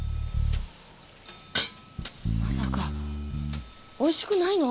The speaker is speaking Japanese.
まさかおいしくないの？